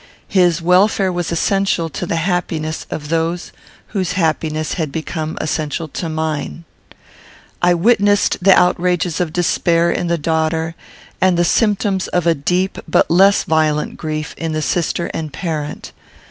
His welfare was essential to the happiness of those whose happiness had become essential to mine. I witnessed the outrages of despair in the daughter, and the symptoms of a deep but less violent grief in the sister and parent.